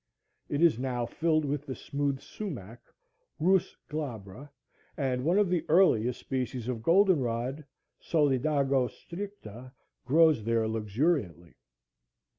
It is now filled with the smooth sumach (Rhus glabra,) and one of the earliest species of golden rod (Solidago stricta) grows there luxuriantly.